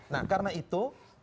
nah karena itu